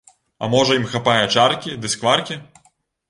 А можа ім хапае чаркі ды скваркі?